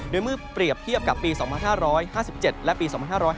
โดยเมื่อเปรียบเทียบกับปี๒๕๕๗และปี๒๕๕๙